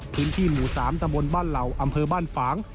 พื้นที่หมู่๓ตำบลบ้านเหล่าอำเภอบ้านฝาง